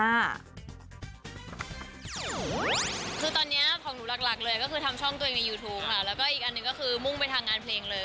คือตอนนี้ของหนูหลักเลยก็คือทำช่องตัวเองในยูทูปค่ะแล้วก็อีกอันหนึ่งก็คือมุ่งไปทางงานเพลงเลย